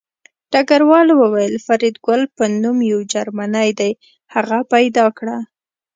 ډګروال وویل فریدګل په نوم یو جرمنی دی هغه پیدا کړه